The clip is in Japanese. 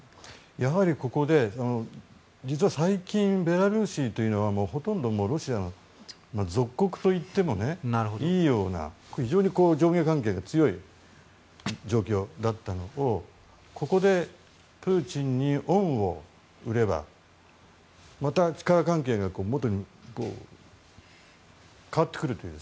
やはりここで実は最近ベラルーシというのはほとんどロシアの属国といってもいいような非常に上下関係が強い状況だったのをここでプーチンに恩を売ればまた力関係が変わってくるという。